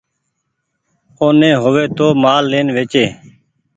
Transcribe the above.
او ني هووي تو مآل لين ويچي۔